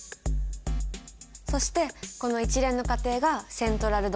そしてこの一連の過程が「セントラルドグマ」。